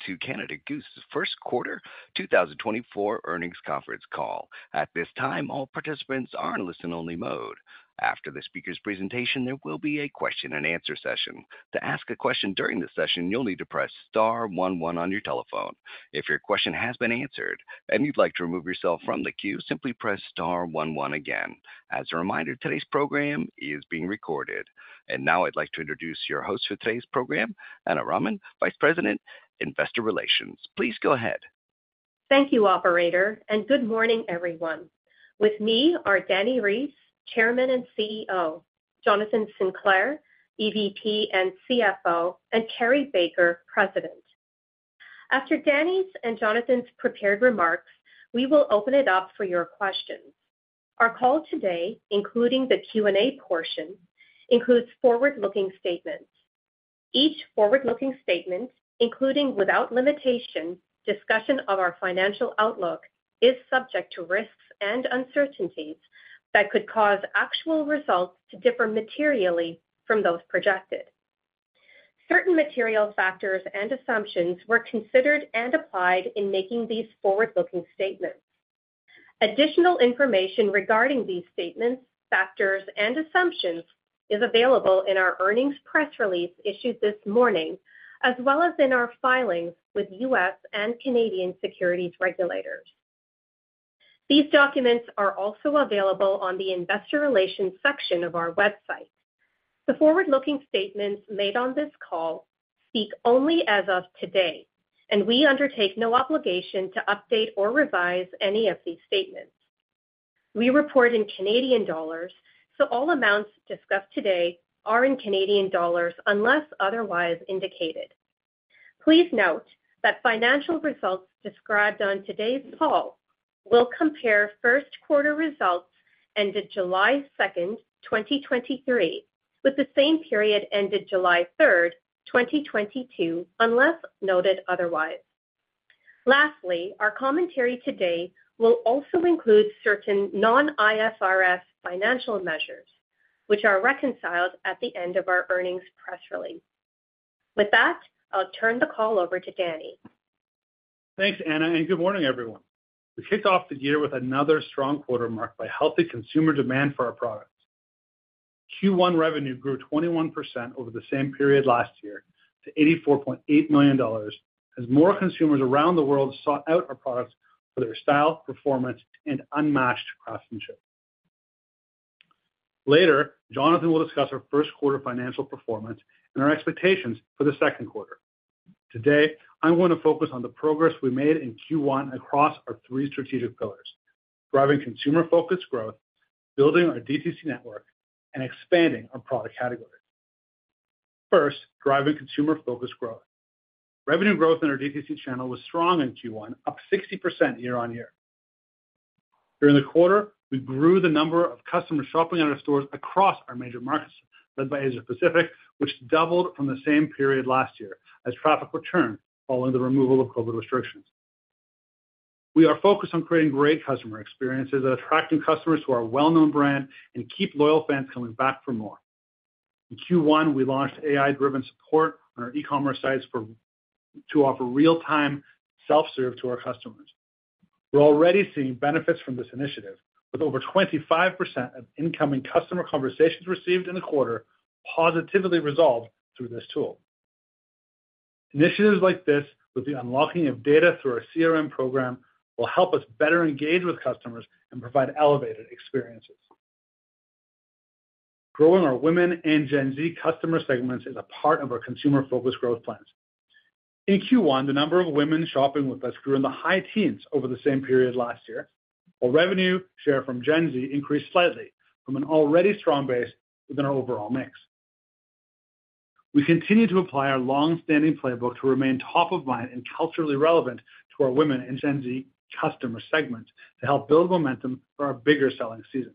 Welcome to Canada Goose's first quarter 2024 earnings conference call. At this time, all participants are in listen-only mode. After the speaker's presentation, there will be a question and answer session. To ask a question during the session, you'll need to press star 11 on your telephone. If your question has been answered and you'd like to remove yourself from the queue, simply press star 11 again. As a reminder, today's program is being recorded. Now I'd like to introduce your host for today's program, Ana Raman, Vice President, Investor Relations. Please go ahead. Thank you, operator, and good morning, everyone. With me are Dani Reiss, Chairman and CEO, Jonathan Sinclair, EVP and CFO, and Carrie Baker, President. After Dani's and Jonathan's prepared remarks, we will open it up for your questions. Our call today, including the Q&A portion, includes forward-looking statements. Each forward-looking statement, including without limitation, discussion of our financial outlook, is subject to risks and uncertainties that could cause actual results to differ materially from those projected. Certain material factors and assumptions were considered and applied in making these forward-looking statements. Additional information regarding these statements, factors, and assumptions is available in our earnings press release issued this morning, as well as in our filings with U.S. and Canadian securities regulators. These documents are also available on the investor relations section of our website. The forward-looking statements made on this call speak only as of today, and we undertake no obligation to update or revise any of these statements. We report in Canadian dollars, so all amounts discussed today are in Canadian dollars, unless otherwise indicated. Please note that financial results described on today's call will compare first quarter results ended July 2nd, 2023, with the same period ended July 3rd, 2022, unless noted otherwise. Lastly, our commentary today will also include certain non-IFRS financial measures, which are reconciled at the end of our earnings press release. With that, I'll turn the call over to Dani. Thanks, Ana, and good morning, everyone. We kicked off the year with another strong quarter marked by healthy consumer demand for our products. Q1 revenue grew 21% over the same period last year to $84.8 million, as more consumers around the world sought out our products for their style, performance, and unmatched craftsmanship. Later, Jonathan will discuss our first quarter financial performance and our expectations for the second quarter. Today, I want to focus on the progress we made in Q1 across our three strategic pillars: driving consumer-focused growth, building our DTC network, and expanding our product categories. First, driving consumer-focused growth. Revenue growth in our DTC channel was strong in Q1, up 60% year on year. During the quarter, we grew the number of customers shopping at our stores across our major markets, led by Asia Pacific, which doubled from the same period last year as traffic returned following the removal of COVID restrictions. We are focused on creating great customer experiences and attracting customers to our well-known brand and keep loyal fans coming back for more. In Q1, we launched AI-driven support on our e-commerce sites to offer real-time self-serve to our customers. We're already seeing benefits from this initiative, with over 25% of incoming customer conversations received in the quarter positively resolved through this tool. Initiatives like this, with the unlocking of data through our CRM program, will help us better engage with customers and provide elevated experiences. Growing our women and Gen Z customer segments is a part of our consumer-focused growth plans. In Q1, the number of women shopping with us grew in the high teens over the same period last year, while revenue share from Gen Z increased slightly from an already strong base within our overall mix. We continue to apply our long-standing playbook to remain top of mind and culturally relevant to our women and Gen Z customer segments to help build momentum for our bigger selling season.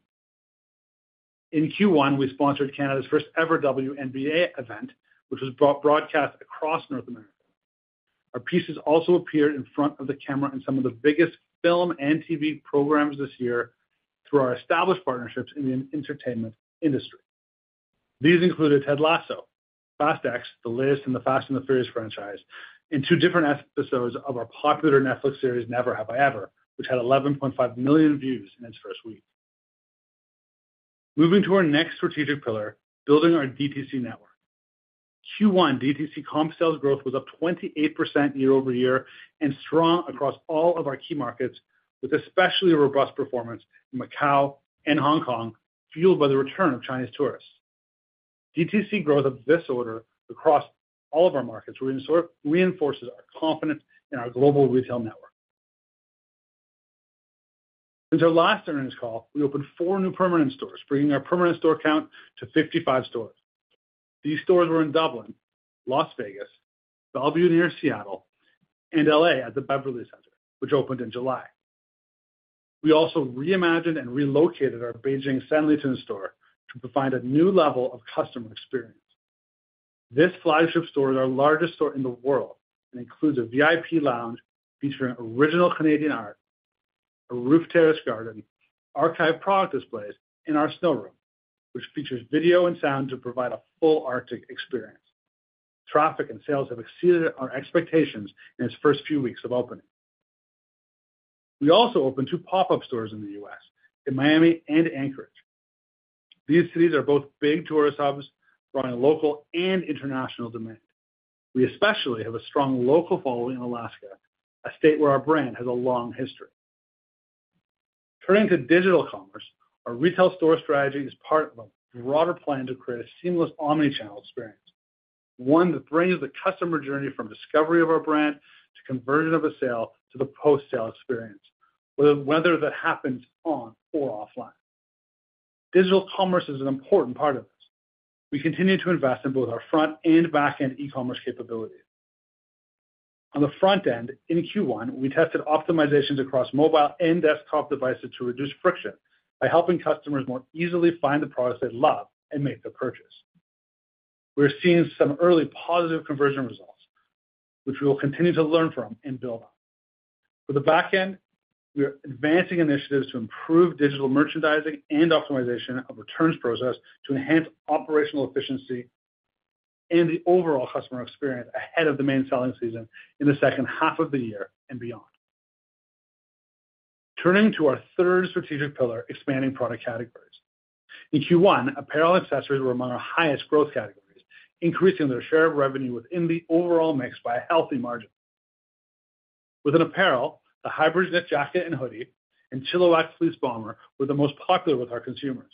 In Q1, we sponsored Canada's first-ever WNBA event, which was broad-broadcast across North America. Our pieces also appeared in front of the camera in some of the biggest film and TV programs this year through our established partnerships in the entertainment industry. These included Ted Lasso, Fast X, The List, and The Fast and the Furious franchise, and two different episodes of our popular Netflix series, Never Have I Ever, which had 11.5 million views in its first week. Moving to our next strategic pillar, building our DTC network. Q1 DTC comp sales growth was up 28% year-over-year and strong across all of our key markets, with especially a robust performance in Macau and Hong Kong, fueled by the return of Chinese tourists. DTC growth of this order across all of our markets reinforces our confidence in our global retail network. Since our last earnings call, we opened four new permanent stores, bringing our permanent store count to 55 stores. These stores were in Dublin, Las Vegas, Bellevue near Seattle, and L.A. at the Beverly Center, which opened in July. We also reimagined and relocated our Beijing Sanlitun store to provide a new level of customer experience. This flagship store is our largest store in the world and includes a VIP lounge featuring original Canadian art, a roof terrace garden, archive product displays, and our snow room, which features video and sound to provide a full arctic experience. Traffic and sales have exceeded our expectations in its first few weeks of opening. We also opened two pop-up stores in the U.S., in Miami and Anchorage. These cities are both big tourist hubs, drawing a local and international demand. We especially have a strong local following in Alaska, a state where our brand has a long history. Turning to digital commerce, our retail store strategy is part of a broader plan to create a seamless omni-channel experience, one that brings the customer journey from discovery of our brand, to conversion of a sale, to the post-sale experience, whether that happens on or offline. Digital commerce is an important part of this. We continue to invest in both our front and back-end e-commerce capabilities. On the front end, in Q1, we tested optimizations across mobile and desktop devices to reduce friction, by helping customers more easily find the products they love and make the purchase. We're seeing some early positive conversion results, which we will continue to learn from and build on. For the back end, we are advancing initiatives to improve digital merchandising and optimization of returns process to enhance operational efficiency and the overall customer experience ahead of the main selling season in the second half of the year and beyond. Turning to our third strategic pillar, expanding product categories. In Q1, apparel accessories were among our highest growth categories, increasing their share of revenue within the overall mix by a healthy margin. Within apparel, the HyBridge Knit Jacket and hoodie, and Chilliwack Fleece Bomber were the most popular with our consumers,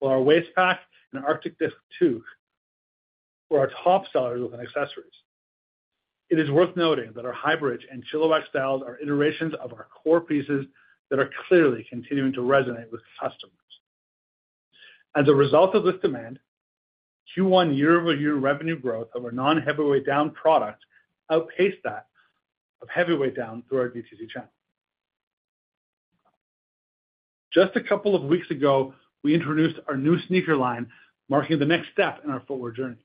while our Waist Pack and Arctic Disc II were our top sellers within accessories. It is worth noting that our HyBridge and Chilliwack styles are iterations of our core pieces that are clearly continuing to resonate with customers. As a result of this demand, Q1 year-over-year revenue growth of our non-heavyweight down products outpaced that of heavyweight down through our DTC channel. Just a couple of weeks ago, we introduced our new sneaker line, marking the next step in our footwear journey.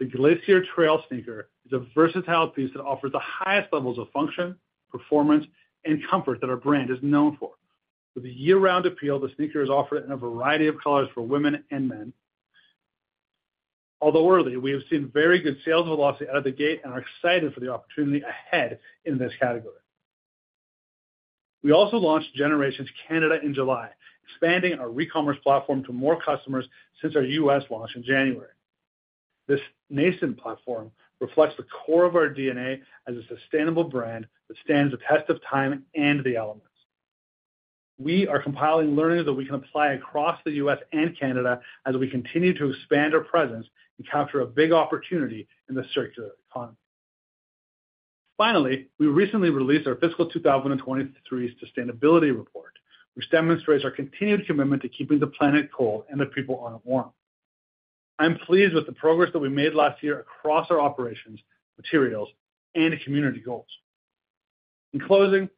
The Glacier Trail sneaker is a versatile piece that offers the highest levels of function, performance, and comfort that our brand is known for. With a year-round appeal, the sneaker is offered in a variety of colors for women and men. Although early, we have seen very good sales velocity out of the gate and are excited for the opportunity ahead in this category. We also launched Generations Canada in July, expanding our re-commerce platform to more customers since our U.S. launch in January. This nascent platform reflects the core of our DNA as a sustainable brand that stands the test of time and the elements. We are compiling learnings that we can apply across the U.S. and Canada as we continue to expand our presence and capture a big opportunity in the circular economy. Finally, we recently released our fiscal 2023 Sustainability Report, which demonstrates our continued commitment to keeping the planet cold and the people on it warm. I'm pleased with the progress that we made last year across our operations, materials, and community goals. In closing,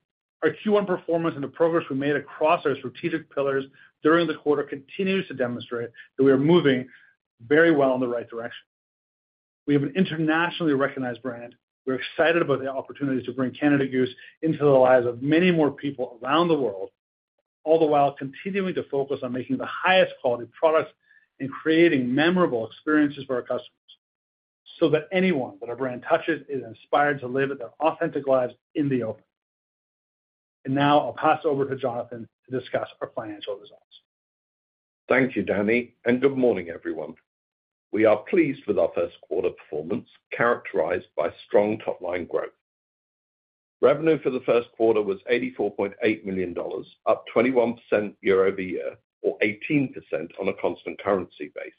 our Q1 performance and the progress we made across our strategic pillars during the quarter continues to demonstrate that we are moving very well in the right direction. We have an internationally recognized brand. We're excited about the opportunity to bring Canada Goose into the lives of many more people around the world, all the while continuing to focus on making the highest quality products and creating memorable experiences for our customers, so that anyone that our brand touches is inspired to live their authentic lives in the open. Now I'll pass over to Jonathan to discuss our financial results. Thank you, Dani, good morning, everyone. We are pleased with our first quarter performance, characterized by strong top-line growth. Revenue for the first quarter was $84.8 million, up 21% year-over-year or 18% on a constant currency basis,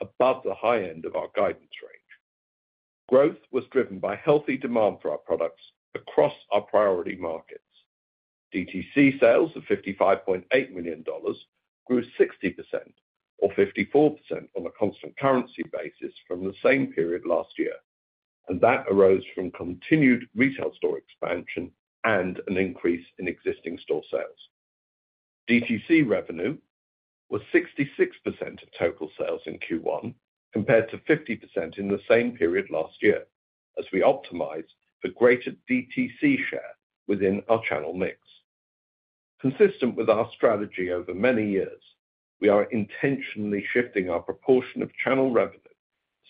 above the high end of our guidance range. Growth was driven by healthy demand for our products across our priority markets. DTC sales of $55.8 million grew 60% or 54% on a constant currency basis from the same period last year, that arose from continued retail store expansion and an increase in existing store sales. DTC revenue was 66% of total sales in Q1, compared to 50% in the same period last year, as we optimized for greater DTC share within our channel mix. Consistent with our strategy over many years, we are intentionally shifting our proportion of channel revenue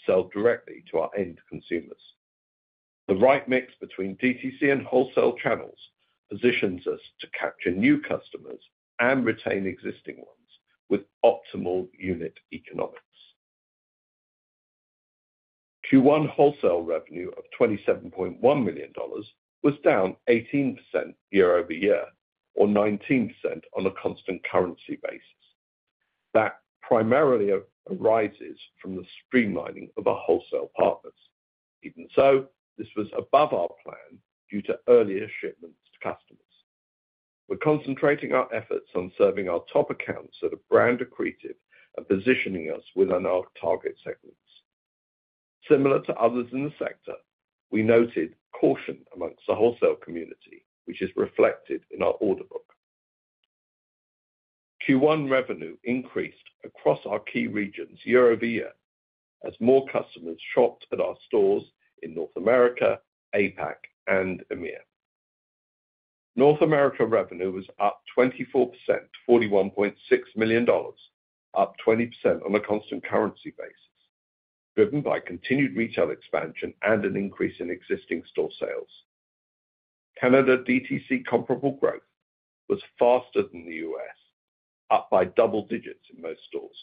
sold directly to our end consumers. The right mix between DTC and wholesale channels positions us to capture new customers and retain existing ones with optimal unit economics. Q1 wholesale revenue of $27.1 million was down 18% year-over-year, or 19% on a constant currency basis. That primarily arises from the streamlining of our wholesale partners. Even so, this was above our plan due to earlier shipments to customers. We're concentrating our efforts on serving our top accounts that are brand accretive and positioning us within our target segments. Similar to others in the sector, we noted caution amongst the wholesale community, which is reflected in our order book.... Q1 revenue increased across our key regions year-over-year, as more customers shopped at our stores in North America, APAC, and EMEA. North America revenue was up 24% to $41.6 million, up 20% on a constant currency basis, driven by continued retail expansion and an increase in existing store sales. Canada DTC comparable growth was faster than the U.S., up by double digits in most stores.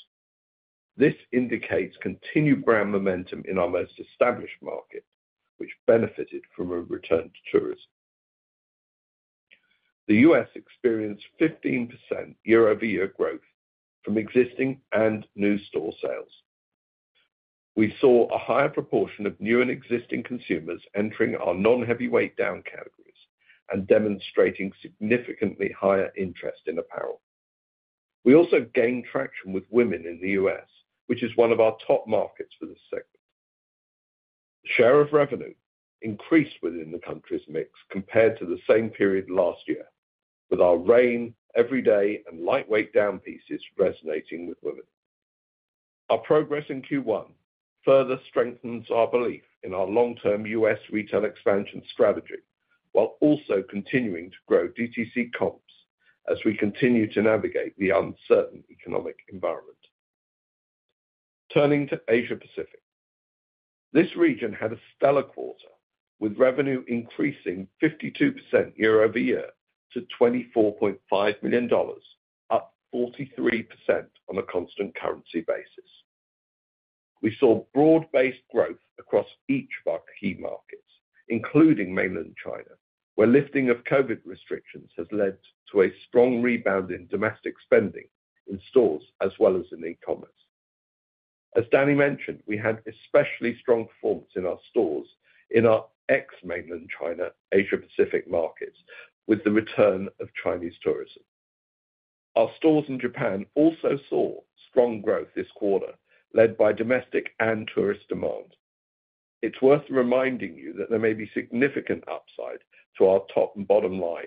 This indicates continued brand momentum in our most established market, which benefited from a return to tourism. The U.S. experienced 15% year-over-year growth from existing and new store sales. We saw a higher proportion of new and existing consumers entering our non-heavyweight down categories and demonstrating significantly higher interest in apparel. We also gained traction with women in the U.S., which is one of our top markets for this segment. Share of revenue increased within the country's mix compared to the same period last year, with our rain, everyday, and lightweight down pieces resonating with women. Our progress in Q1 further strengthens our belief in our long-term U.S. retail expansion strategy, while also continuing to grow DTC comps as we continue to navigate the uncertain economic environment. Turning to Asia Pacific, this region had a stellar quarter, with revenue increasing 52% year-over-year to $24.5 million, up 43% on a constant currency basis. We saw broad-based growth across each of our key markets, including Mainland China, where lifting of COVID restrictions has led to a strong rebound in domestic spending in stores as well as in e-commerce. As Dani mentioned, we had especially strong performance in our stores in our ex-Mainland China, Asia Pacific markets, with the return of Chinese tourism. Our stores in Japan also saw strong growth this quarter, led by domestic and tourist demand. It's worth reminding you that there may be significant upside to our top and bottom line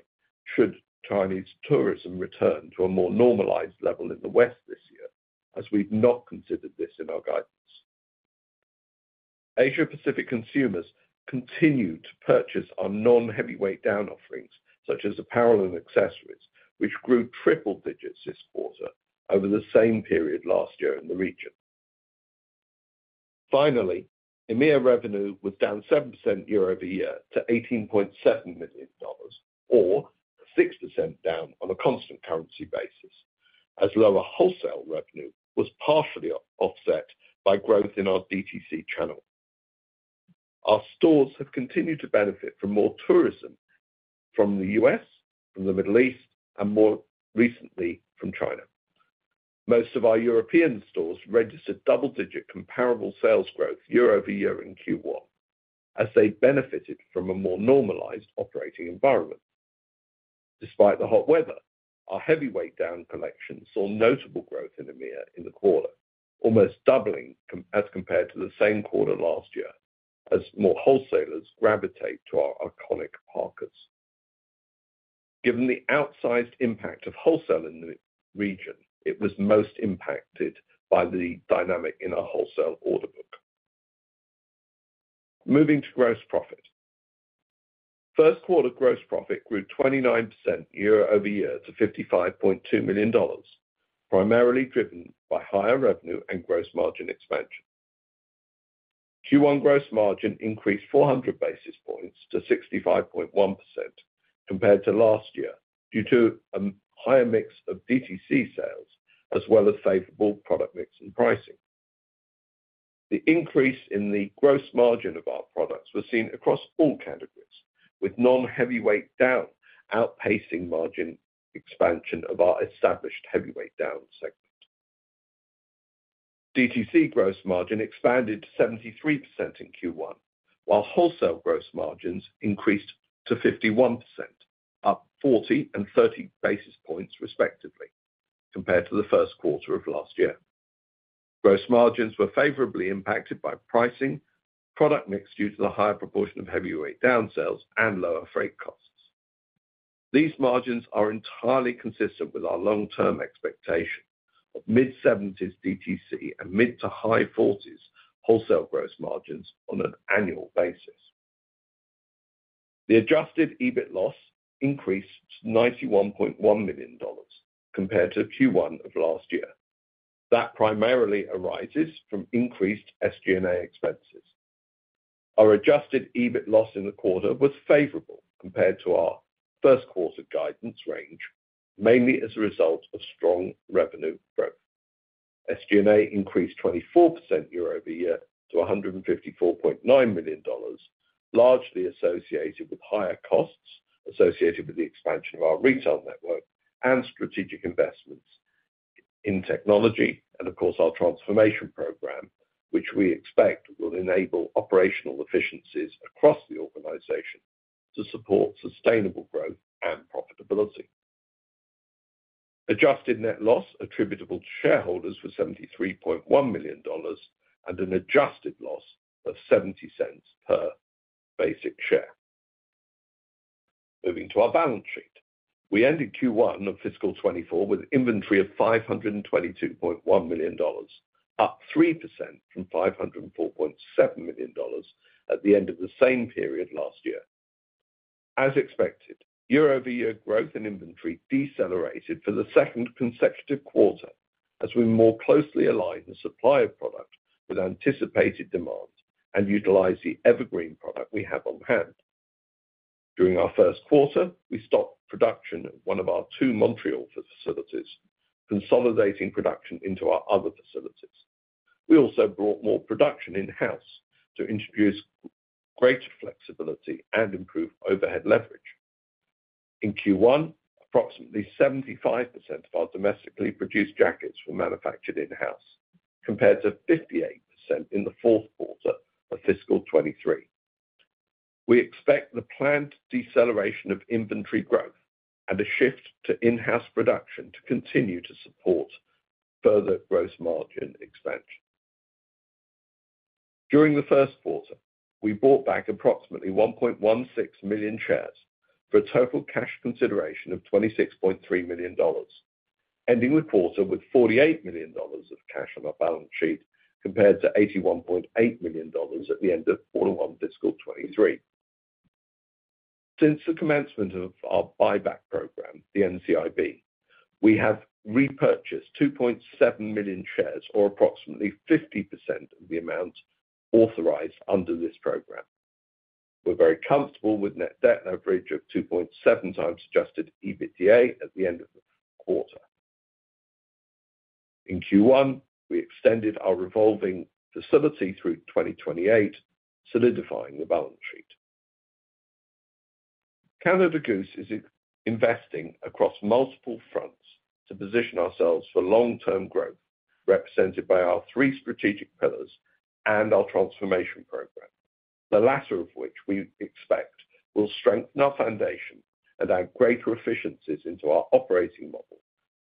should Chinese tourism return to a more normalized level in the West this year, as we've not considered this in our guidance. Asia Pacific consumers continue to purchase our non-heavyweight down offerings, such as apparel and accessories, which grew triple digits this quarter over the same period last year in the region. EMEA revenue was down 7% year-over-year to $18.7 million, or 6% down on a constant currency basis, as lower wholesale revenue was partially offset by growth in our DTC channel. Our stores have continued to benefit from more tourism from the U.S., from the Middle East, and more recently from China. Most of our European stores registered double-digit comparable sales growth year-over-year in Q1, as they benefited from a more normalized operating environment. Despite the hot weather, our heavyweight down collection saw notable growth in EMEA in the quarter, almost doubling as compared to the same quarter last year, as more wholesalers gravitate to our iconic parkas. Given the outsized impact of wholesale in the region, it was most impacted by the dynamic in our wholesale order book. Moving to gross profit. First quarter gross profit grew 29% year-over-year to $55.2 million, primarily driven by higher revenue and gross margin expansion. Q1 gross margin increased 400 basis points to 65.1% compared to last year, due to a higher mix of DTC sales, as well as favorable product mix and pricing. The increase in the gross margin of our products was seen across all categories, with non-heavyweight down outpacing margin expansion of our established heavyweight down segment. DTC gross margin expanded to 73% in Q1, while wholesale gross margins increased to 51%, up 40 and 30 basis points, respectively, compared to the first quarter of last year. Gross margins were favorably impacted by pricing, product mix due to the higher proportion of heavyweight down sales, and lower freight costs. These margins are entirely consistent with our long-term expectation of mid-70s DTC and mid to high 40s wholesale gross margins on an annual basis. The Adjusted EBIT loss increased to $91.1 million compared to Q1 of last year. That primarily arises from increased SG&A expenses. Our Adjusted EBIT loss in the quarter was favorable compared to our first quarter guidance range, mainly as a result of strong revenue growth. SG&A increased 24% year-over-year to 154.9 million dollars, largely associated with higher costs associated with the expansion of our retail network and strategic investments in technology, and of course, our transformation program, which we expect will enable operational efficiencies across the organization to support sustainable growth and profitability. Adjusted net loss attributable to shareholders was 73.1 million dollars, and an adjusted loss of 0.70 per basic share. Moving to our balance sheet. We ended Q1 of fiscal 2024 with inventory of 522.1 million dollars, up 3% from 504.7 million dollars at the end of the same period last year. As expected, year-over-year growth in inventory decelerated for the second consecutive quarter, as we more closely align the supply of products with anticipated demands and utilize the evergreen product we have on hand. During our first quarter, we stopped production at one of our two Montreal facilities, consolidating production into our other facilities. We also brought more production in-house to introduce greater flexibility and improve overhead leverage. In Q1, approximately 75% of our domestically produced jackets were manufactured in-house, compared to 58% in the fourth quarter of fiscal 2023. We expect the planned deceleration of inventory growth and a shift to in-house production to continue to support further gross margin expansion. During the first quarter, we bought back approximately 1.16 million shares for a total cash consideration of $26.3 million, ending the quarter with $48 million of cash on our balance sheet, compared to $81.8 million at the end of quarter one, fiscal 2023. Since the commencement of our buyback program, the NCIB, we have repurchased 2.7 million shares, or approximately 50% of the amount authorized under this program. We're very comfortable with net debt coverage of 2.7x Adjusted EBITDA at the end of the quarter. In Q1, we extended our revolving facility through 2028, solidifying the balance sheet. Canada Goose is investing across multiple fronts to position ourselves for long-term growth, represented by our three strategic pillars and our transformation program, the latter of which we expect will strengthen our foundation and add greater efficiencies into our operating model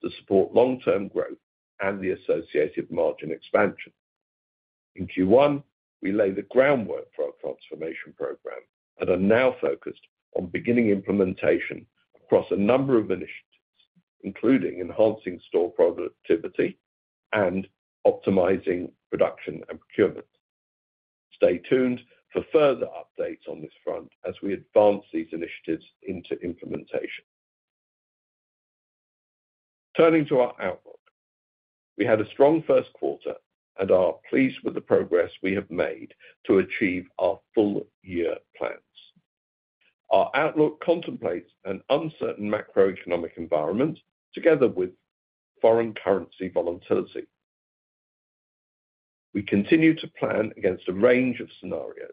to support long-term growth and the associated margin expansion. In Q1, we lay the groundwork for our transformation program and are now focused on beginning implementation across a number of initiatives, including enhancing store productivity and optimizing production and procurement. Stay tuned for further updates on this front as we advance these initiatives into implementation. Turning to our outlook, we had a strong first quarter and are pleased with the progress we have made to achieve our full year plans. Our outlook contemplates an uncertain macroeconomic environment together with foreign currency volatility. We continue to plan against a range of scenarios.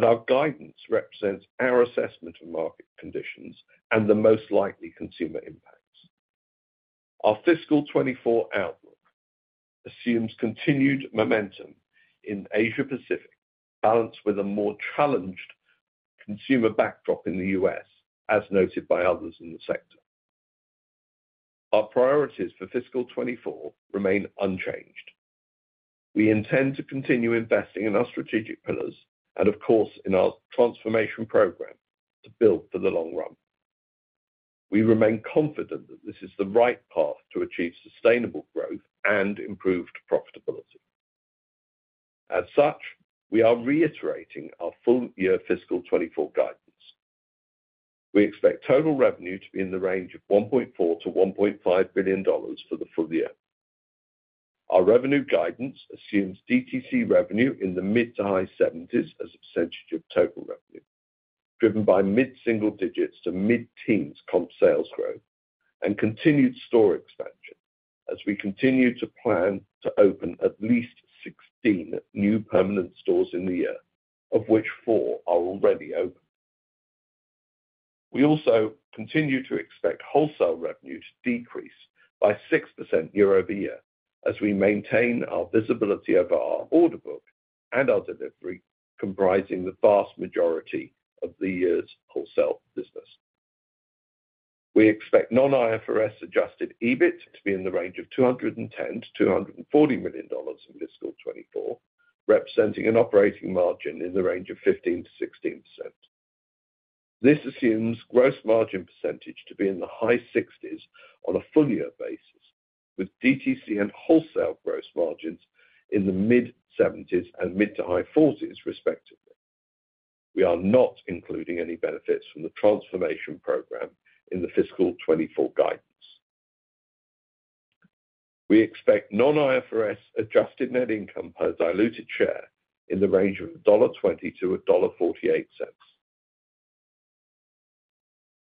Our guidance represents our assessment of market conditions and the most likely consumer impacts. Our fiscal 2024 outlook assumes continued momentum in Asia Pacific, balanced with a more challenged consumer backdrop in the U.S., as noted by others in the sector. Our priorities for fiscal 2024 remain unchanged. We intend to continue investing in our strategic pillars and, of course, in our transformation program to build for the long run. We remain confident that this is the right path to achieve sustainable growth and improved profitability. We are reiterating our full year fiscal 2024 guidance. We expect total revenue to be in the range of $1.4 billion-$1.5 billion for the full year. Our revenue guidance assumes DTC revenue in the mid to high 70s as a percentage of total revenue, driven by mid-single digits to mid-teens comp sales growth and continued store expansion as we continue to plan to open at least 16 new permanent stores in the year, of which four are already open. We also continue to expect wholesale revenue to decrease by 6% year-over-year as we maintain our visibility over our order book and our delivery, comprising the vast majority of the year's wholesale business. We expect non-IFRS Adjusted EBIT to be in the range of $210 million-$240 million in fiscal 2024, representing an operating margin in the range of 15%-16%. This assumes gross margin percentage to be in the high 60s% on a full year basis, with DTC and wholesale gross margins in the mid-70s% and mid- to high 40s%, respectively. We are not including any benefits from the transformation program in the fiscal 2024 guidance. We expect non-IFRS adjusted net income per diluted share in the range of $1.20-$1.48.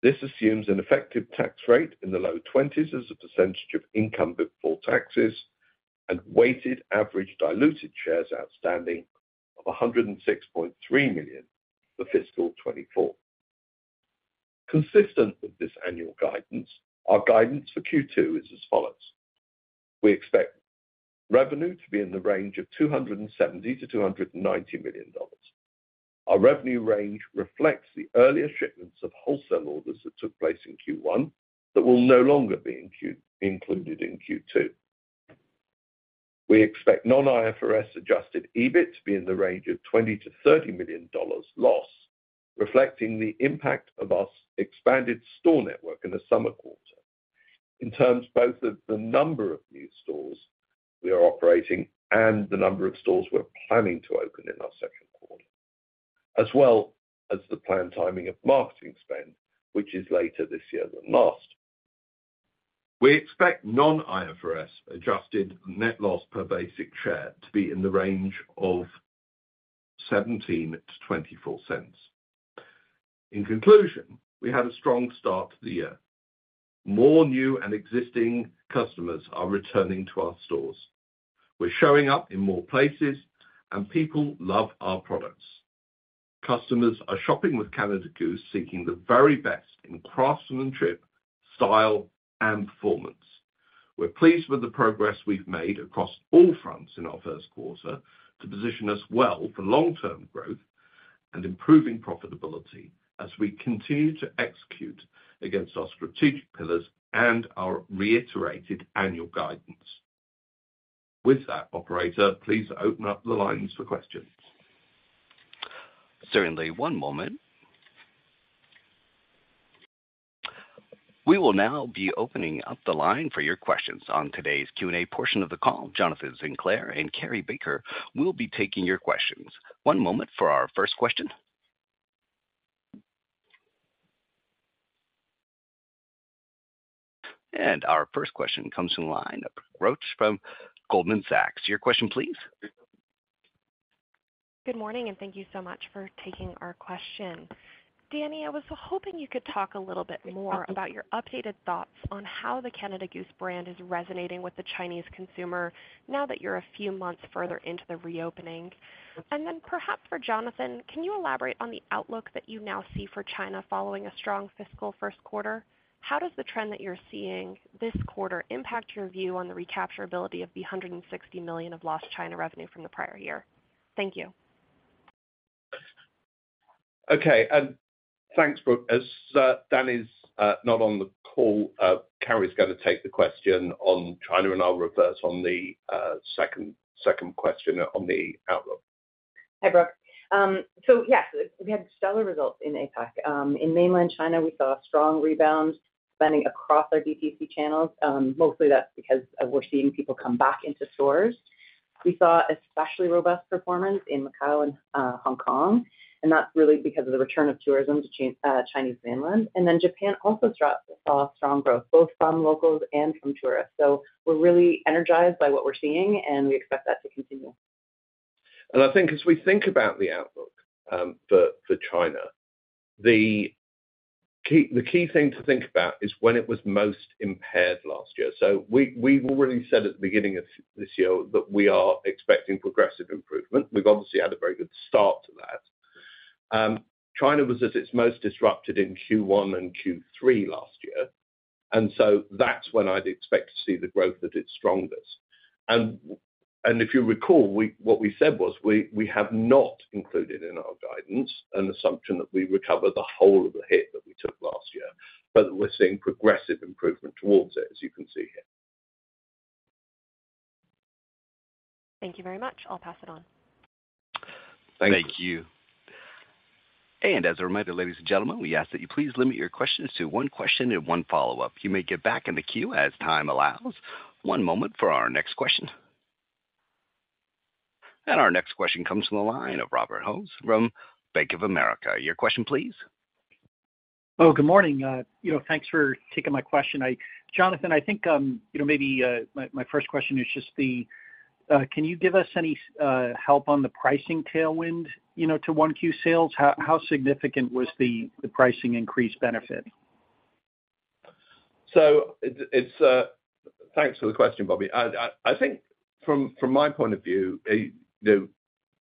This assumes an effective tax rate in the low 20s% as a percentage of income before taxes and weighted average diluted shares outstanding of 106.3 million for fiscal 2024. Consistent with this annual guidance, our guidance for Q2 is as follows: We expect revenue to be in the range of $270 million-$290 million. Our revenue range reflects the earlier shipments of wholesale orders that took place in Q1 that will no longer be included in Q2. We expect non-IFRS Adjusted EBIT to be in the range of $20 million-$30 million loss, reflecting the impact of our expanded store network in the summer quarter. In terms both of the number of new stores we are operating and the number of stores we're planning to open in our second quarter, as well as the planned timing of marketing spend, which is later this year than last. We expect non-IFRS adjusted net loss per basic share to be in the range of $0.17-$0.24. In conclusion, we had a strong start to the year. More new and existing customers are returning to our stores. We're showing up in more places, and people love our products. Customers are shopping with Canada Goose, seeking the very best in craftsmanship, style, and performance. We're pleased with the progress we've made across all fronts in our first quarter to position us well for long-term growth and improving profitability as we continue to execute against our strategic pillars and our reiterated annual guidance. With that, operator, please open up the lines for questions. Certainly, one moment. We will now be opening up the line for your questions on today's Q&A portion of the call. Jonathan Sinclair and Carrie Baker will be taking your questions. One moment for our first question. Our first question comes from the line of Brooke Roach from Goldman Sachs. Your question, please. Good morning. Thank you so much for taking our question. Dani, I was hoping you could talk a little bit more about your updated thoughts on how the Canada Goose brand is resonating with the Chinese consumer now that you're a few months further into the reopening. Then perhaps for Jonathan Sinclair, can you elaborate on the outlook that you now see for China following a strong fiscal first quarter? How does the trend that you're seeing this quarter impact your view on the recapture ability of the 160 million of lost China revenue from the prior year? Thank you. Okay, thanks, Brooke. As Dani's not on the call, Carrie's gonna take the question on China, and I'll reverse on the second, second question on the outlook. Hi, Brooke. Yes, we had stellar results in APAC. In Mainland China, we saw a strong rebound spending across our DTC channels, mostly that's because we're seeing people come back into stores. We saw especially robust performance in Macau and Hong Kong, and that's really because of the return of tourism to Mainland China. Japan also saw strong growth, both from locals and from tourists. We're really energized by what we're seeing, and we expect that to continue. I think as we think about the outlook for China, the key, the key thing to think about is when it was most impaired last year. We, we've already said at the beginning of this year that we are expecting progressive improvement. We've obviously had a very good start to that. China was at its most disrupted in Q1 and Q3 last year, that's when I'd expect to see the growth at its strongest. If you recall, what we said was, we, we have not included in our guidance an assumption that we recover the whole of the hit that we took last year, but we're seeing progressive improvement towards it, as you can see here. Thank you very much. I'll pass it on. Thank you. Thank you. As a reminder, ladies and gentlemen, we ask that you please limit your questions to one question and one follow-up. You may get back in the queue as time allows. One moment for our next question. Our next question comes from the line of Robert Ohmes from Bank of America. Your question, please. Oh, good morning. You know, thanks for taking my question. Jonathan, I think, you know, maybe, my, my first question is just... Can you give us any, help on the pricing tailwind, you know, to 1 Q sales? How, how significant was the, the pricing increase benefit? It, it's, thanks for the question, Bobby. I think from, from my point of view,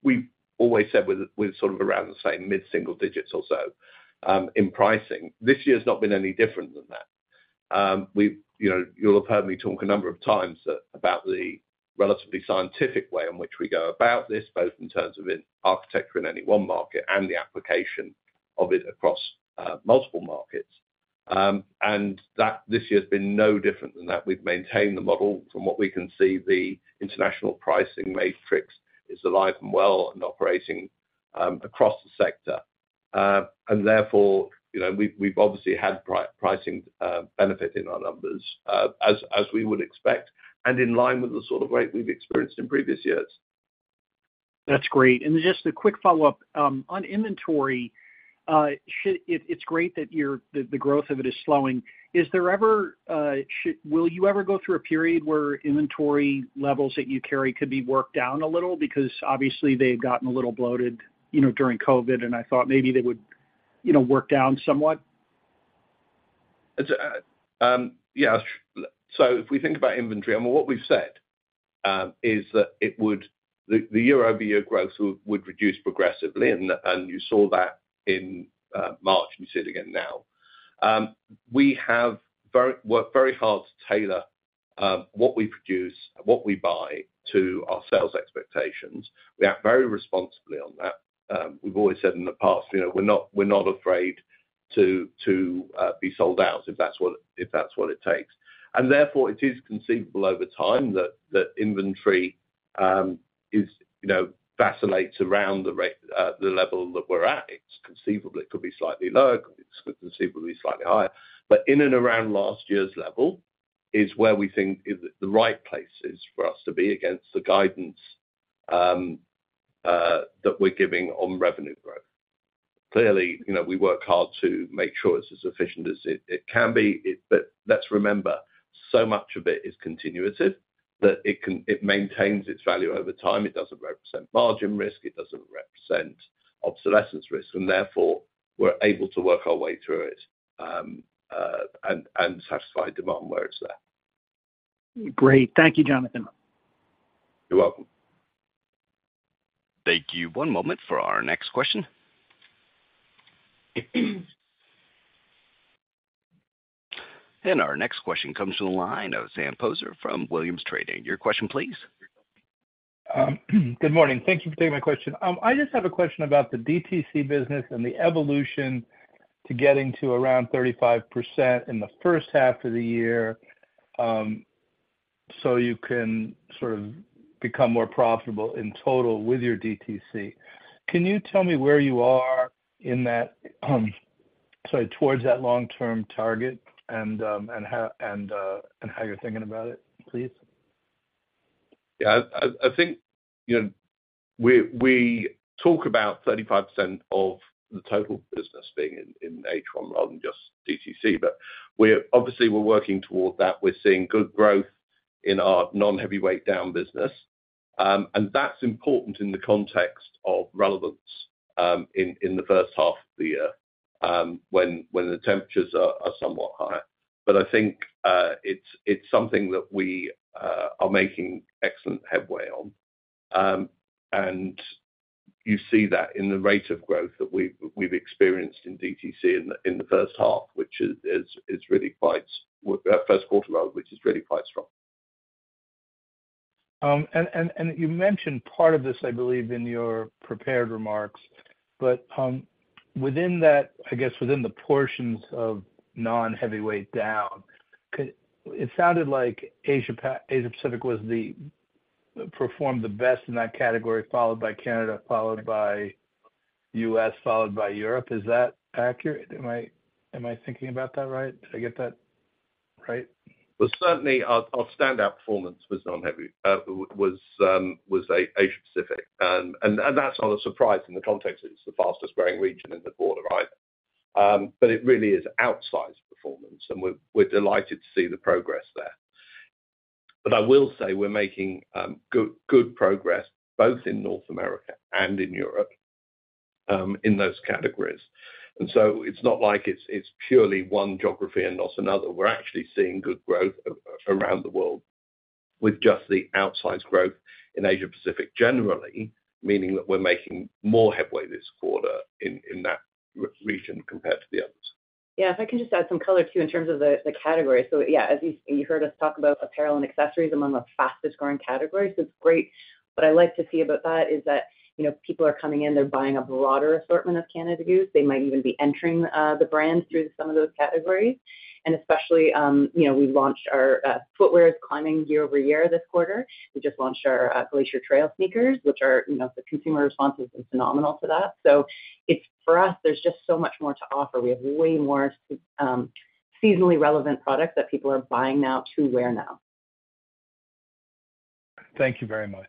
we've always said we're, we're sort of around the same mid-single digits or so, in pricing. This year's not been any different than that. We, you know, you'll have heard me talk a number of times about the relatively scientific way in which we go about this, both in terms of in architecture in any one market and the application of it across multiple markets. That this year's been no different than that. We've maintained the model. From what we can see, the international pricing matrix is alive and well and operating across the sector. Therefore, you know, we've, we've obviously had pricing benefit in our numbers, as, as we would expect, and in line with the sort of rate we've experienced in previous years. That's great. Just a quick follow-up on inventory. It, it's great that your, the, the growth of it is slowing. Will you ever go through a period where inventory levels that you carry could be worked down a little? Because obviously they've gotten a little bloated, you know, during COVID, and I thought maybe they would, you know, work down somewhat. It's, yeah. If we think about inventory, I mean, what we've said, is that it would. The year-over-year growth would reduce progressively, and, and you saw that in March, and you see it again now. We have worked very hard to tailor, what we produce, what we buy to our sales expectations. We act very responsibly on that. We've always said in the past, you know, we're not, we're not afraid, to, to, be sold out, if that's what, if that's what it takes. Therefore, it is conceivable over time that, that inventory, is, you know, vacillates around the level that we're at. It's conceivable it could be slightly lower, it's conceivable be slightly higher. In and around last year's level is where we think is the right places for us to be against the guidance that we're giving on revenue growth. Clearly, you know, we work hard to make sure it's as efficient as it can be. Let's remember, so much of it is continuative. It maintains its value over time. It doesn't represent margin risk, it doesn't represent obsolescence risk, and therefore, we're able to work our way through it and satisfy demand where it's there. Great. Thank you, Jonathan. You're welcome. Thank you. One moment for our next question. Our next question comes from the line of Sam Poser from Williams Trading. Your question, please. Good morning. Thank you for taking my question. I just have a question about the DTC business and the evolution to getting to around 35% in the first half of the year, so you can sort of become more profitable in total with your DTC. Can you tell me where you are in that, sorry, towards that long-term target, and how, and how you're thinking about it, please? Yeah, I, I, I think, you know, we, we talk about 35% of the total business being in, in H1 rather than just DTC, but we're obviously, we're working toward that. We're seeing good growth in our non-heavyweight down business. That's important in the context of relevance, in, in the first half of the year, when, when the temperatures are, are somewhat higher. I think, it's, it's something that we are making excellent headway on. You see that in the rate of growth that we've, we've experienced in DTC in the, in the first half, which is really quite first quarter, rather, which is really quite strong. You mentioned part of this, I believe, in your prepared remarks, but within that, I guess, within the portions of non-heavyweight down, it sounded like Asia Pacific performed the best in that category, followed by Canada, followed by U.S., followed by Europe. Is that accurate? Am I, am I thinking about that right? Did I get that right? Well, certainly our, our standout performance was non-heavy. Was Asia Pacific. That's not a surprise in the context that it's the fastest growing region in the quarter, right? It really is outsized performance, and we're, we're delighted to see the progress there. I will say we're making good, good progress both in North America and in Europe in those categories. It's not like it's, it's purely one geography and not another. We're actually seeing good growth around the world, with just the outsized growth in Asia Pacific generally, meaning that we're making more headway this quarter in, in that region compared to the others. Yeah, if I can just add some color, too, in terms of the, the category. Yeah, as you, you heard us talk about apparel and accessories among the fastest growing categories, it's great. What I like to see about that is that, you know, people are coming in, they're buying a broader assortment of Canada Goose. They might even be entering the brands through some of those categories. Especially, you know, we launched our footwear is climbing year-over-year this quarter. We just launched our Glacier Trail sneakers, which are, you know, the consumer response has been phenomenal to that. It's, for us, there's just so much more to offer. We have way more seasonally relevant products that people are buying now to wear now. Thank you very much.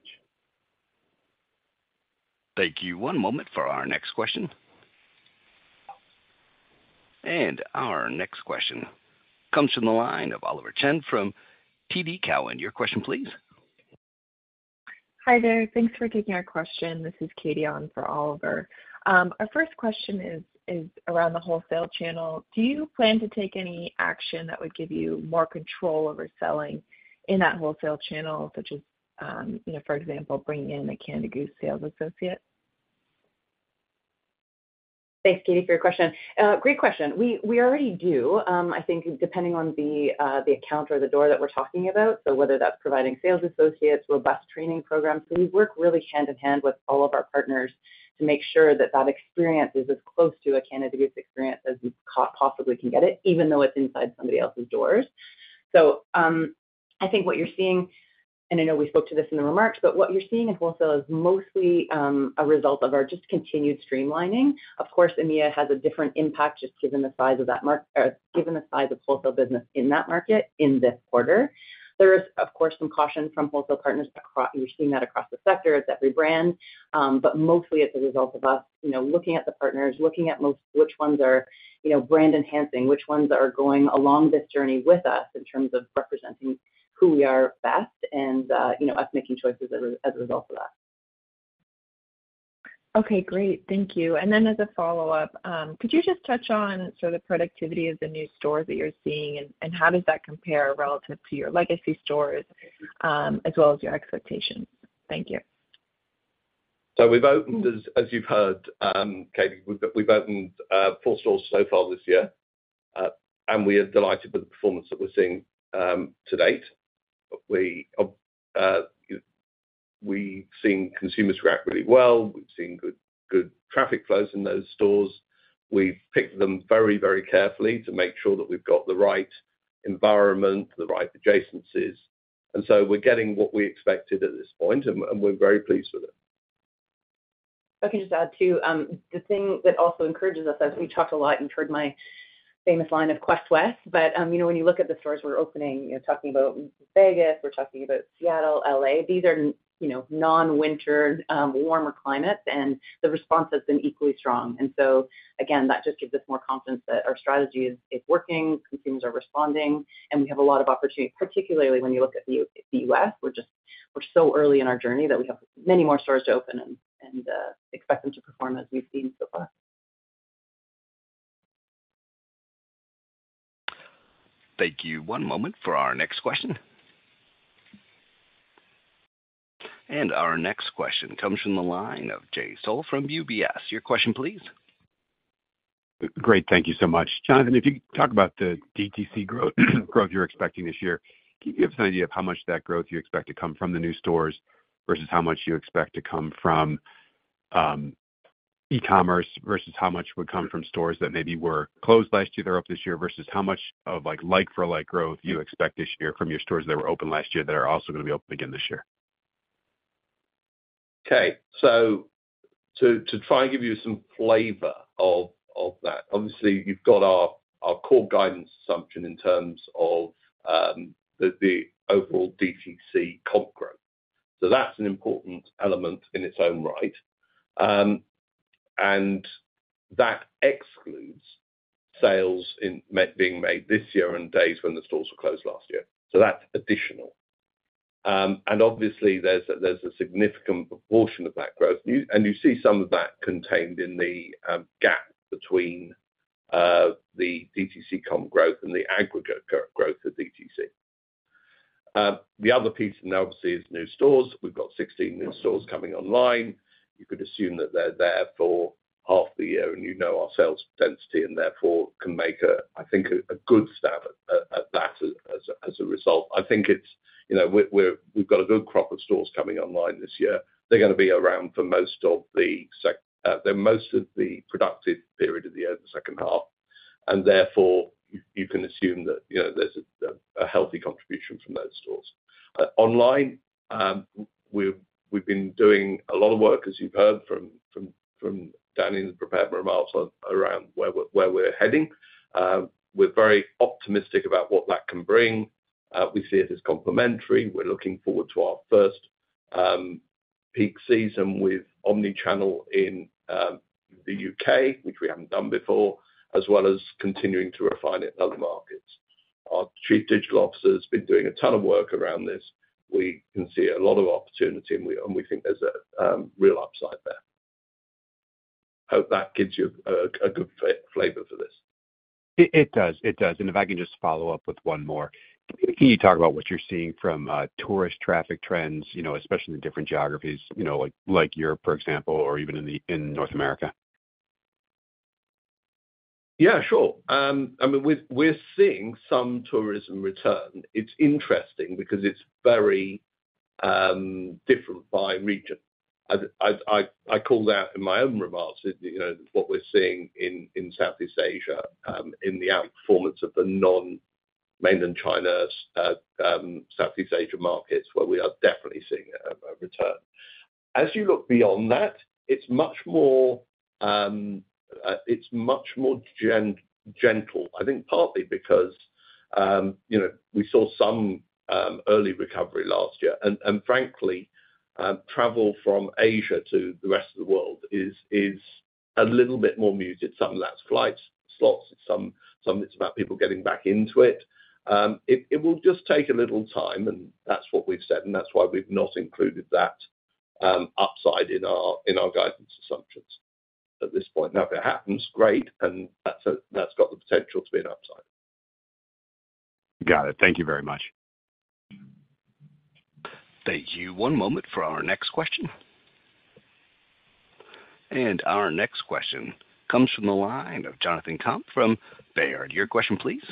Thank you. One moment for our next question. Our next question comes from the line of Oliver Chen from TD Cowen. Your question please. Hi there. Thanks for taking our question. This is Katy on for Oliver. Our first question is, is around the wholesale channel. Do you plan to take any action that would give you more control over selling in that wholesale channel, such as, you know, for example, bringing in a Canada Goose sales associate? Thanks, Katy, for your question. Great question. We, we already do, I think depending on the account or the door that we're talking about, so whether that's providing sales associates, robust training programs. We work really hand in hand with all of our partners to make sure that that experience is as close to a Canada Goose experience as we possibly can get it, even though it's inside somebody else's doors. I think what you're seeing, and I know we spoke to this in the remarks, but what you're seeing in wholesale is mostly a result of our just continued streamlining. Of course, EMEA has a different impact, just given the size of that market, given the size of wholesale business in that market in this quarter. There is, of course, some caution from wholesale partners. We're seeing that across the sector. It's every brand, but mostly it's a result of us, you know, looking at the partners, looking at most which ones are, you know, brand enhancing, which ones are going along this journey with us in terms of representing who we are best and, you know, us making choices as a, as a result of that. Okay, great. Thank you. Then as a follow-up, could you just touch on sort of the productivity of the new stores that you're seeing, and, and how does that compare relative to your legacy stores, as well as your expectations? Thank you. We've opened, as, as you've heard, Katy, we've, we've opened four stores so far this year, and we are delighted with the performance that we're seeing to date. We've seen consumers react really well. We've seen good, good traffic flows in those stores. We've picked them very, very carefully to make sure that we've got the right environment, the right adjacencies, and so we're getting what we expected at this point, and, and we're very pleased with it. If I can just add, too, the thing that also encourages us, as we talked a lot and you've heard my famous line of Quest West, but, you know, when you look at the stores we're opening, you know, talking about Vegas, we're talking about Seattle, L.A., these are, you know, non-winter, warmer climates, and the response has been equally strong. So again, that just gives us more confidence that our strategy is, is working, consumers are responding, and we have a lot of opportunity, particularly when you look at the U.S. We're just, we're so early in our journey that we have many more stores to open and, and, expect them to perform as we've seen so far. Thank you. One moment for our next question. Our next question comes from the line of Jay Sole from UBS. Your question, please. Great. Thank you so much. Jon, if you talk about the DTC growth, growth you're expecting this year, do you have an idea of how much of that growth you expect to come from the new stores, versus how much you expect to come from, e-commerce, versus how much would come from stores that maybe were closed last year, they're open this year, versus how much of, like, like for like growth you expect this year from your stores that were open last year that are also going to be open again this year? To try and give you some flavor of that, obviously, you've got our core guidance assumption in terms of the overall DTC comp growth. That's an important element in its own right. That excludes sales being made this year on days when the stores were closed last year, that's additional. Obviously, there's a significant proportion of that growth. You see some of that contained in the gap between the DTC comp growth and the aggregate growth of DTC. The other piece, obviously, is new stores. We've got 16 new stores coming online. You could assume that they're there for half the year, and you know our sales density, and therefore, can make a, I think, a, a good stab at, at, at that as, as a, as a result. I think it's, you know, we're, we've got a good crop of stores coming online this year. They're going to be around for most of the productive period of the year, the second half, and therefore, you, you can assume that, you know, there's a, a healthy contribution from those stores. Online, we've, we've been doing a lot of work, as you've heard from, from, from Dani's prepared remarks, around where we're, where we're heading. We're very optimistic about what that can bring. We see it as complementary. We're looking forward to our first, peak season with omni-channel in, the U.K., which we haven't done before, as well as continuing to refine it in other markets. Our Chief Digital Officer has been doing a ton of work around this. We can see a lot of opportunity, and we, and we think there's a real upside there. Hope that gives you a good flavor for this. It, it does. It does. If I can just follow up with one more. Can you talk about what you're seeing from, tourist traffic trends, you know, especially in the different geographies, you know, like, like Europe, for example, or even in North America? Yeah, sure. I mean, we're seeing some tourism return. It's interesting because it's very different by region. I, I, I, I called out in my own remarks that, you know, what we're seeing in Southeast Asia, in the outperformance of the non-Mainland China Southeast Asia markets, where we are definitely seeing a return. As you look beyond that, it's much more, it's much more gentle, I think, partly because, you know, we saw some early recovery last year. Frankly, travel from Asia to the rest of the world is a little bit more muted. Some of that's flight slots, some, some it's about people getting back into it. It, it will just take a little time, and that's what we've said, and that's why we've not included that upside in our, in our guidance assumptions at this point. Now, if it happens, great, and that's got the potential to be an upside. Got it. Thank you very much. Thank you. One moment for our next question. Our next question comes from the line of Jonathan Komp from Baird. Your question, please.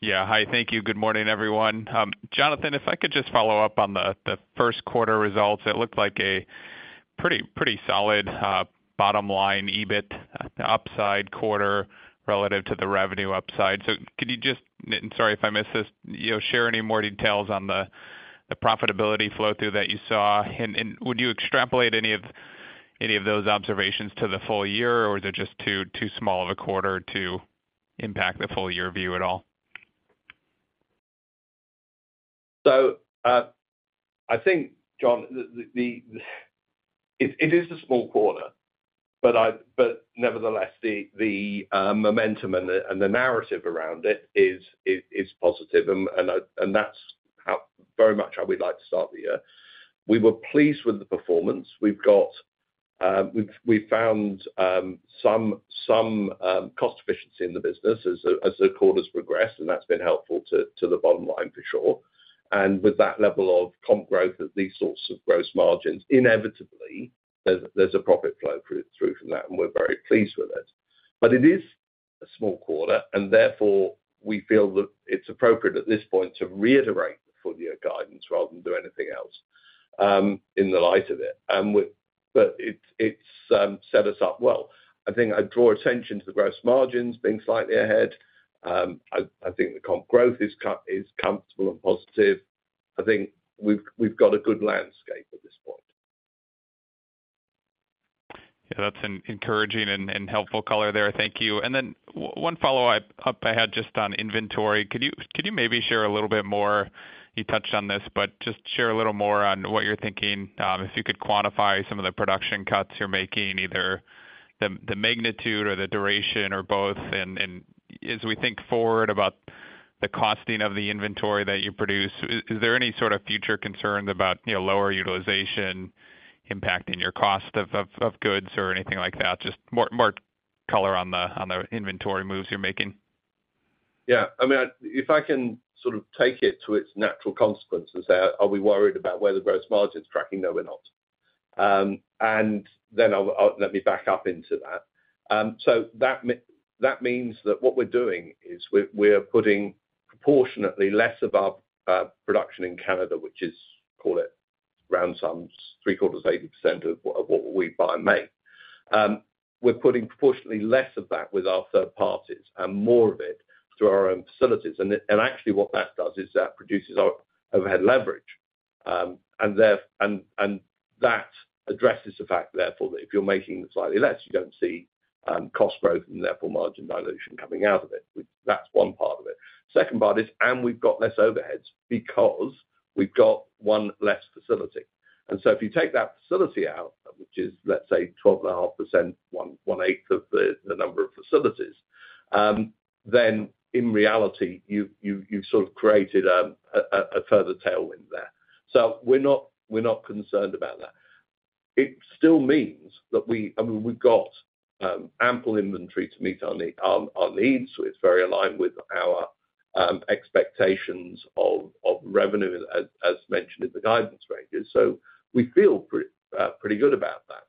Yeah. Hi, thank you. Good morning, everyone. Jonathan, if I could just follow up on the first quarter results, it looked like a pretty, pretty solid bottom line, EBIT upside quarter relative to the revenue upside. Could you just, and sorry if I missed this, you know, share any more details on the profitability flow-through that you saw? Would you extrapolate any of those observations to the full year, or is it just too, too small of a quarter to impact the full year view at all? I think, Jon, it is a small quarter, nevertheless, the momentum and the narrative around it is positive, and that's how, very much how we'd like to start the year. We were pleased with the performance. We've got, we've found some cost efficiency in the business as the quarter's progressed, and that's been helpful to the bottom line, for sure. With that level of comp growth at these sorts of gross margins, inevitably, there's a profit flow through from that, and we're very pleased with it. It is a small quarter, and therefore we feel that it's appropriate at this point to reiterate the full year guidance rather than do anything else in the light of it. It, it's set us up well. I think I'd draw attention to the gross margins being slightly ahead. I, I think the comp growth is comfortable and positive. I think we've, we've got a good landscape at this point. Yeah, that's an encouraging and helpful color there. Thank you. Then one follow-up I had just on inventory. Could you, could you maybe share a little bit more? You touched on this, but just share a little more on what you're thinking, if you could quantify some of the production cuts you're making, either the magnitude or the duration or both. As we think forward about the costing of the inventory that you produce, is there any sort of future concern about, you know, lower utilization impacting your cost of goods or anything like that? Just more, more color on the inventory moves you're making. Yeah. I mean, if I can sort of take it to its natural consequences there, are we worried about where the gross margin is tracking? No, we're not. Then let me back up into that. That means that what we're doing is we, we're putting proportionately less of our, our production in Canada, which is, call it round sums, three-quarters, 80% of what, of what we buy and make. We're putting proportionately less of that with our third parties and more of it through our own facilities. Actually, what that does is that produces our overhead leverage. And that addresses the fact, therefore, that if you're making slightly less, you don't see, cost growth and therefore margin dilution coming out of it. That's one part of it. Second part is, we've got less overheads because we've got one less facility. If you take that facility out, which is, let's say, 12.5%, 1/8 of the, the number of facilities, then in reality, you've, you've, you've sort of created a, a, a further tailwind there. We're not, we're not concerned about that. It still means that we... I mean, we've got ample inventory to meet our need, our, our needs, so it's very aligned with our expectations of, of revenue as, as mentioned in the guidance ranges. We feel pretty, pretty good about that.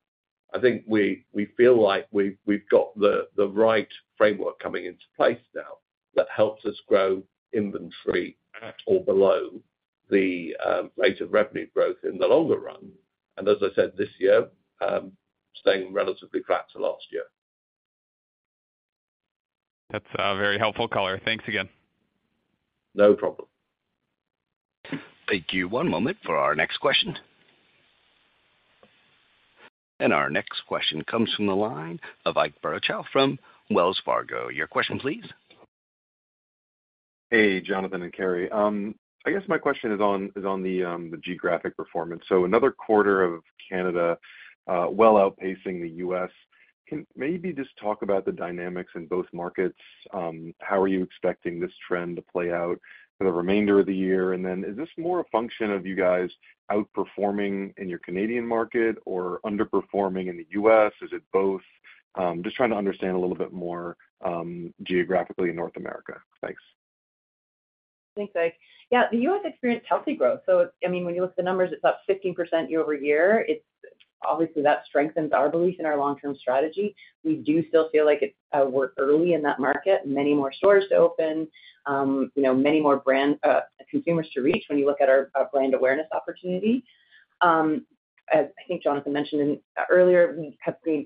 I think we, we feel like we've, we've got the, the right framework coming into place now that helps us grow inventory at or below the rate of revenue growth in the longer run. As I said this year, staying relatively flat to last year. That's a very helpful color. Thanks again. No problem. Thank you. One moment for our next question. Our next question comes from the line of Ike Boruchow from Wells Fargo. Your question, please. Hey, Jonathan and Carrie. I guess my question is on, is on the geographic performance. Another quarter of Canada well outpacing the U.S. Can maybe just talk about the dynamics in both markets? How are you expecting this trend to play out for the remainder of the year? Is this more a function of you guys outperforming in your Canadian market or underperforming in the U.S.? Is it both? Just trying to understand a little bit more geographically in North America. Thanks. Thanks, Ike. Yeah, the U.S. experienced healthy growth, I mean, when you look at the numbers, it's up 15% year-over-year. Obviously, that strengthens our belief in our long-term strategy. We do still feel like it's, we're early in that market. Many more stores to open, you know, many more brand, consumers to reach when you look at our, our brand awareness opportunity. As I think Jonathan mentioned earlier, we have gained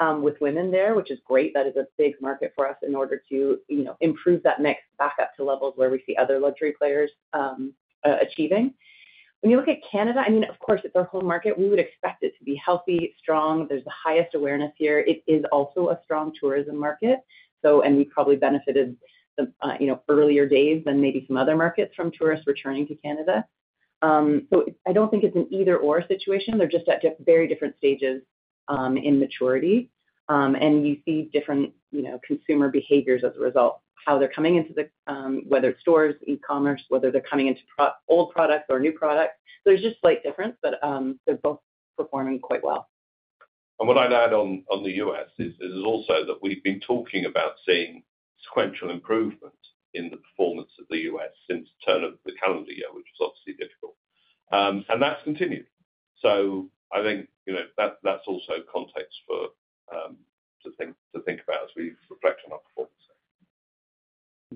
traction with women there, which is great. That is a big market for us in order to, you know, improve that mix back up to levels where we see other luxury players achieving. When you look at Canada, I mean, of course, it's our home market. We would expect it to be healthy, strong. There's the highest awareness here. It is also a strong tourism market, and we probably benefited, you know, earlier days than maybe some other markets from tourists returning to Canada. I don't think it's an either/or situation. They're just at very different stages, in maturity, and you see different, you know, consumer behaviors as a result, how they're coming into the, whether it's stores, e-commerce, whether they're coming into old products or new products. There's just slight difference, they're both performing quite well. What I'd add on, on the U.S. is, is also that we've been talking about seeing sequential improvement in the performance of the U.S. since the turn of the calendar year, which was obviously difficult. That's continued. I think, you know, that's, that's also context for to think, to think about as we reflect on our performance.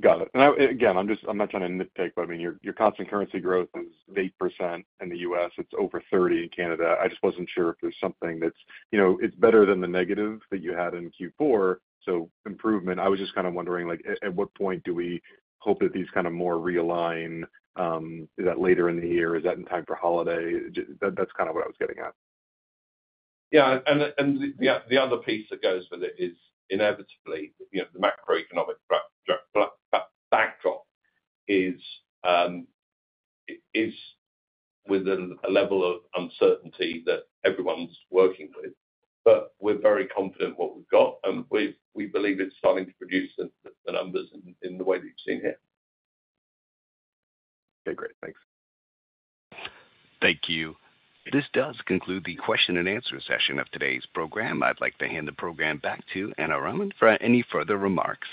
Got it. Again, I'm not trying to nitpick, but I mean, your, your constant currency growth is 8% in the U.S., it's over 30% in Canada. I just wasn't sure if there's something that's... You know, it's better than the negative that you had in Q4, so improvement. I was just kind of wondering, like, at what point do we hope that these kind of more realign, is that later in the year? Is that in time for holiday? That's kind of what I was getting at. Yeah, the other piece that goes with it is inevitably, you know, the macroeconomic backdrop is within a level of uncertainty that everyone's working with. We're very confident in what we've got, and we, we believe it's starting to produce the numbers in the way that you've seen here. Okay, great. Thanks. Thank you. This does conclude the question and answer session of today's program. I'd like to hand the program back to Ana Raman for any further remarks.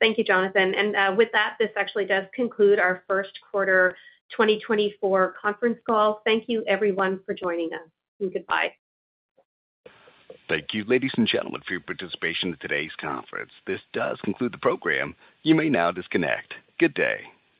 Thank you, Jonathan, and with that, this actually does conclude our first quarter 2024 conference call. Thank you, everyone, for joining us, and goodbye. Thank you, ladies and gentlemen, for your participation in today's conference. This does conclude the program. You may now disconnect. Good day.